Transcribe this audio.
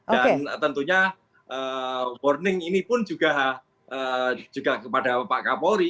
dan tentunya warning ini pun juga kepada pak kapolri